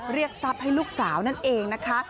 เรียกทรัพย์ให้ลูกสาวนั่นเองนะคะ